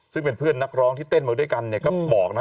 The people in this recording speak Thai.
ซึ่งเป็นเพื่อนนักร้องที่เต้นมาด้วยกันก็บอกนะ